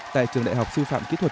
tại trường đại học sư phạm kỹ thuật